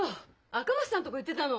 赤松さんのとこ行ってたの。